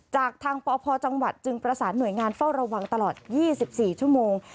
จากทางปพจังหวัดจึงประสานหน่วยงานเฝ้าระวังตลอด๒๔ชั่วโมง